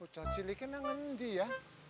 ucap ciliknya ngendih ya